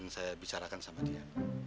nanti saya akan saya bicarakan sama dia